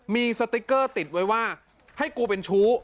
มีสติ๊กเกอร์ติดไว้ว่าให้กูเป็นชู้